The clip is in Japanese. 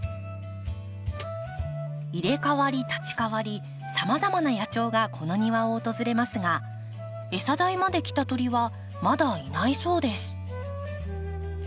入れ代わり立ち代わりさまざまな野鳥がこの庭を訪れますが餌台まで来た鳥はまだいないそうです。